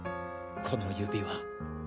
この指輪。